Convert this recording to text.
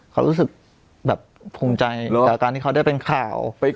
เขารู้สึกแบบภูมิใจจากการที่เขาได้เป็นข่าว